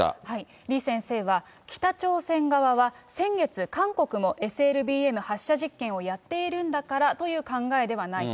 李先生は、北朝鮮側は、先月、韓国もＳＬＢＭ発射実験をやっているんだからという考えではないか。